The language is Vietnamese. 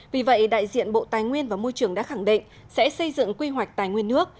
vì vậy đại diện bộ tài nguyên và môi trường đã khẳng định sẽ xây dựng quy hoạch tài nguyên nước